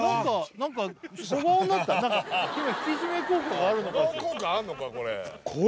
何か引き締め効果があるのかしら？